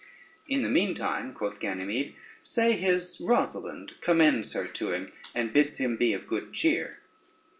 "In the meantime," quoth Ganymede, "say his Rosalynde commends her to him, and bids him be of good cheer."